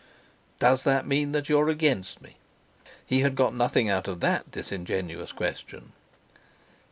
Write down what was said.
"Does that mean that you're against me?" he had got nothing out of that disingenuous question.